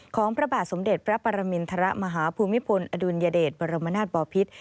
ของพระบาทสมเด็จพระปรมิณฑระมหาภูมิพลอดุลยเดชประโลมนาทบอพิษ